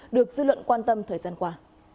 được dư luận quan tâm thời gian qua